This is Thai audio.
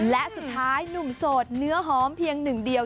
และสุดท้ายหนุ่มโสดเนื้อหอมเพียงหนึ่งเดียว